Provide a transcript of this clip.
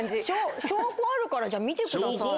証拠あるから見てくださいよ。